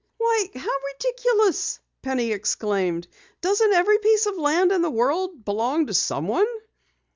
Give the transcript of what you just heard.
"Why, how ridiculous!" Penny exclaimed. "Doesn't every piece of land in the world belong to someone?"